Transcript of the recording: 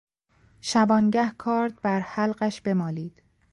شبانگه کارد بر حلقش بمالید...